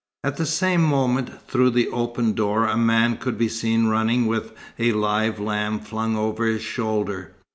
At the same moment, through the open door, a man could be seen running with a live lamb flung over his shoulder.